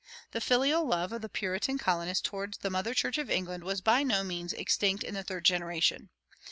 The filial love of the Puritan colonists toward the mother church of England was by no means extinct in the third generation.